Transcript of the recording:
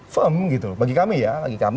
firm gitu bagi kami ya